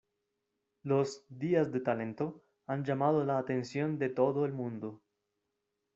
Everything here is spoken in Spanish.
Los "Días de talento" han llamado la atención de todo el mundo.